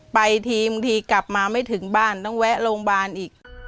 ไปทีบางทีกลับมาไม่ถึงบ้านต้องแวะโรงพยาบาลอีก